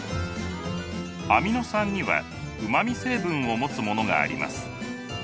アミノ酸にはうまみ成分を持つものがあります。